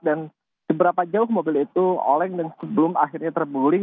dan seberapa jauh mobil itu oleng dan sebelum akhirnya terbuling